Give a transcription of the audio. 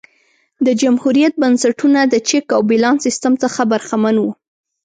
د جمهوریت بنسټونه د چک او بیلانس سیستم څخه برخمن وو